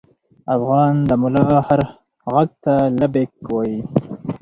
افغان د ملا هر غږ ته لبیک وايي.